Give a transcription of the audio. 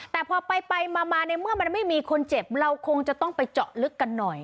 แต่พอไปมาในเมื่อมันไม่มีคนเจ็บเราคงจะต้องไปเจาะลึกกันหน่อย